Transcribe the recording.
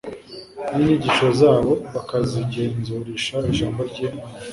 n'inyigisho zabo bakazigenzurisha Ijambo ry'Imana,